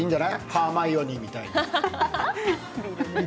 ハーマイオニーみたいに。